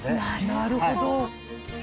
なるほど。